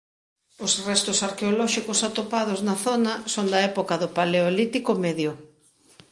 Os restos arqueolóxicos atopados na zona son da época do Paleolítico Medio.